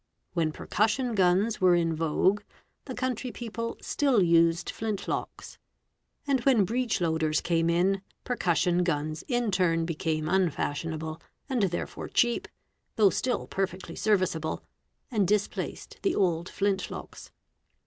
When percussion guns were in vogue the country people still used flint locks, and when breech loaders came im percussion guns in turn became unfashionable and therefore cheap: though still perfectly serviceable, and displaced the old flint locks.